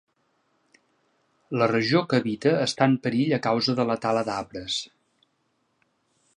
La regió que habita està en perill a causa de la tala d'arbres.